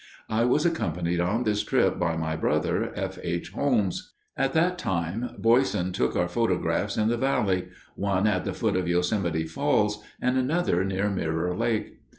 I was accompanied on this trip by my brother, F. H. Holmes. At that time Boysen took our photographs in the Valley; one at the foot of Yosemite Falls, and another near Mirror Lake.